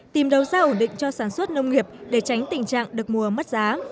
tìm đầu ra ổn định cho sản xuất nông nghiệp để tránh tình trạng được mùa mất giá